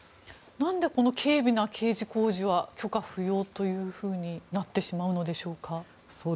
なんでこの軽微な工事は許可不要というふうになってしまうのでしょうか。